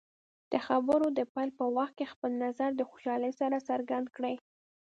د خبرو د پیل په وخت کې خپل نظر د خوشحالۍ سره څرګند کړئ.